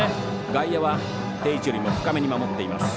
外野は定位置よりも深めに守っています。